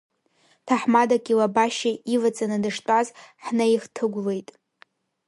Ҭаҳмадак илабашьа иваҵаны дыштәаз ҳнаихҭыгәлеит.